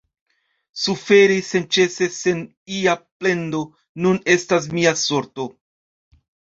Suferi senĉese, sen ia plendo, nun estas mia sorto.